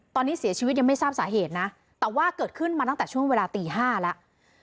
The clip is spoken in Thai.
ตอนนี้เสียชีวิตยังไม่ทราบสาเหตุนะแต่ว่าเกิดขึ้นมาตั้งแต่ช่วงเวลาตี๕แล้ว